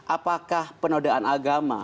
apakah penodaan agama